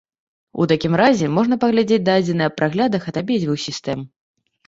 У такім разе можна паглядзець дадзеныя аб праглядах ад абедзвюх сістэм.